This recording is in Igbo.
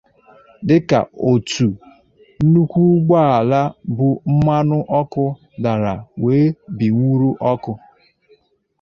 dịka otu nnukwu ụgbọala bu mmanụ ọkụ dàrà wee binwuru ọkụ